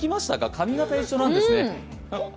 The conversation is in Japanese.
髪形一緒なんですね。